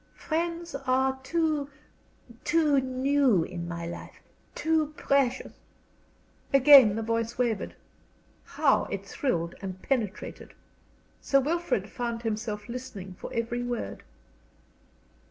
Friends are too too new in my life, too precious " Again the voice wavered. How it thrilled and penetrated! Sir Wilfrid found himself listening for every word.